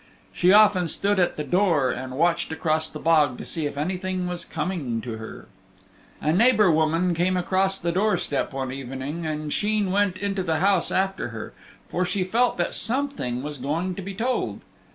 She often stood at the door and watched across the bog to see if anything was coming to her. A neighbor woman came across the door step one evening and Sheen went into the house after her, for she felt that something was going to be told.